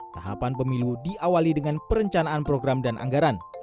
tahapan pemilu diawali dengan perencanaan program dan anggaran